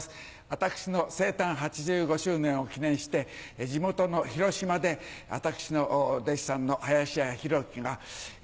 私の生誕８５周年を記念して地元の広島で私のお弟子さんの林家ひろ木が。